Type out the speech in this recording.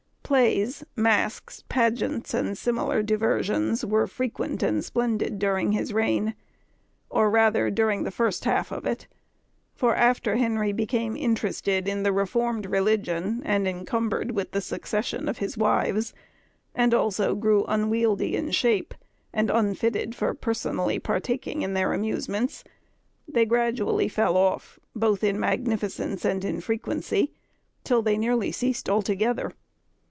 Plays, masques, pageants, and similar diversions were frequent and splendid during this reign, or rather during the first half of it; for after Henry became interested in the reformed religion, and encumbered with the succession of his wives, and also grew unwieldy in shape, and unfitted for personally partaking in their amusements, they gradually fell off, both in magnificence and in frequency, till they nearly ceased altogether.